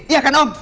iya kan om